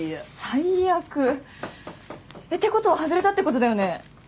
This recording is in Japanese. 最悪ってことはハズれたってことだよね？